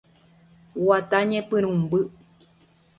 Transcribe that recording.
Guata Ñepyrũmby.